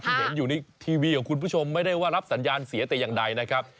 เห็นอยู่ในทีวีของคุณผู้ชมไม่ได้ว่ารับสัญญาณเสียแต่อย่างใดนะครับ